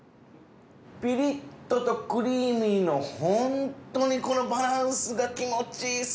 ピリッととクリーミーのホントにバランスが気持ちいいっすね。